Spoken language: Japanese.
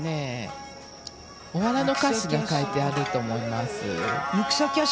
おわらの歌詞が書いてあると思います。